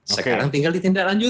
sekarang tinggal ditindak lanjutin